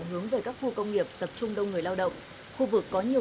hướng về các khu công nghiệp tập trung đông người lao động khu vực có nhiều